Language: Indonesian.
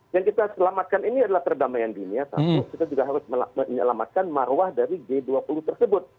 yang kita selamatkan ini adalah perdamaian dunia satu kita juga harus menyelamatkan marwah dari g dua puluh tersebut